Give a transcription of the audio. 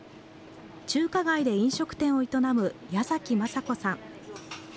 中華街で飲食店を営む矢崎雅子さん。